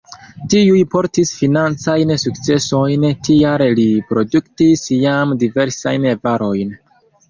Tiuj portis financajn sukcesojn, tial li produktis jam diversajn varojn.